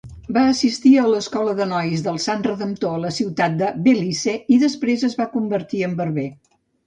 Va assistir a l'escola de nois del Sant Redemptor a la ciutat de Belize i després es va convertir en barber.